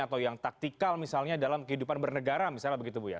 atau yang taktikal misalnya dalam kehidupan bernegara misalnya begitu bu ya